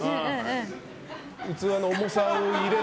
器の重さを入れて。